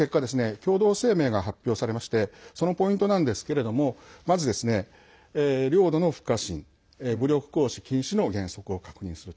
共同声明が発表されましてそのポイントなんですけれども領土の不可侵、武力行使禁止の原則を確認すると。